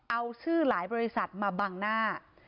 เอาชื่อหลายบริษัทมาบังหน้า